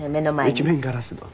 一面ガラス戸。